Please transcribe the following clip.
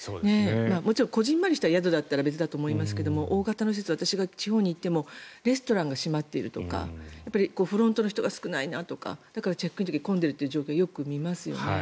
もちろんこぢんまりした宿だったら別だと思いますが大型の施設は私が地方に行ってもレストランが閉まっているとかフロントの人が少ないなとかチェックインの時に混んでいる状況はよく見ますよね。